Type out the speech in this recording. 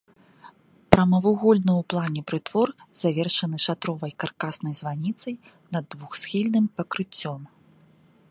Прамавугольны ў плане прытвор завершаны шатровай каркаснай званіцай над двухсхільным пакрыццём.